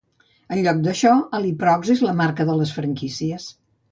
En lloc d'això, Aliprox és la marca de les franquícies.